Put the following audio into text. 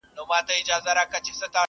سپی دي څنکه ښخوی د مړو خواته،